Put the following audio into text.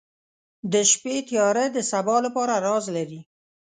• د شپې تیاره د سبا لپاره راز لري.